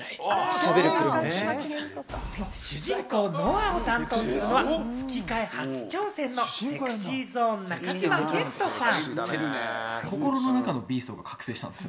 主人公・ノアを担当するのは吹き替え初挑戦のＳｅｘｙＺｏｎｅの中島健人さん。